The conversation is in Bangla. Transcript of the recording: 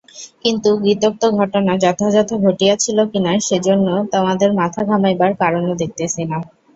কিন্তু গীতোক্ত ঘটনা যথাযথ ঘটিয়াছিল কিনা, সেজন্য তোমাদের মাথা ঘামাইবার কারণও দেখিতেছি না।